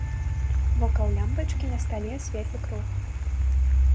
Вокал лямпачкі на стале светлы круг.